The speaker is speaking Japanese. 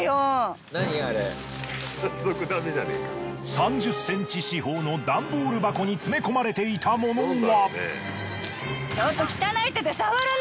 ３０センチ四方の段ボール箱に詰め込まれていたものは。